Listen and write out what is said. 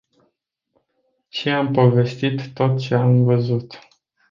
Și am povestit tot ce am văzut.